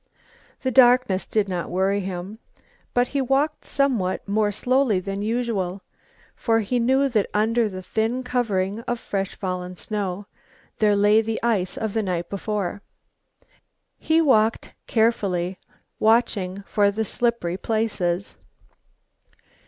The darkness did not worry him, but he walked somewhat more slowly than usual, for he knew that under the thin covering of fresh fallen snow there lay the ice of the night before. He walked carefully, watching for the slippery places.